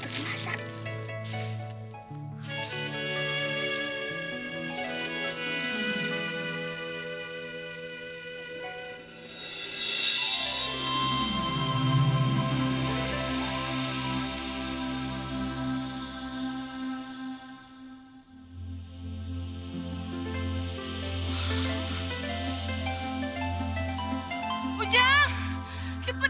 aku akan membantumu